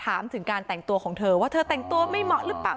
ถามถึงการแต่งตัวของเธอว่าเธอแต่งตัวไม่เหมาะหรือเปล่า